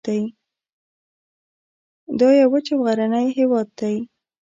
دا یو وچ او غرنی هیواد دی